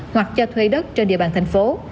hoặc cho thuê đất trên địa bàn thành phố